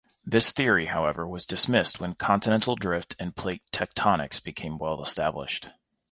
This theory however was dismissed when continental drift and plate tectonics became well established.